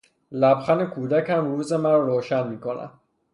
لبخند کودکم روز مرا روشن میکند.